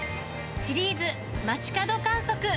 シリーズ、街角観測。